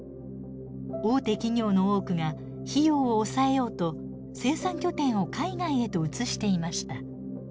大手企業の多くが費用を抑えようと生産拠点を海外へと移していました。